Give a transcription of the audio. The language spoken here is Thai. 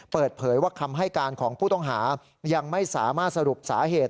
เปิดเผยว่าคำให้การของผู้ต้องหายังไม่สามารถสรุปสาเหตุ